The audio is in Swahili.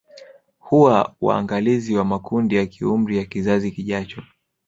Huwa waangalizi wa makundi ya kiumri ya kizazi kijacho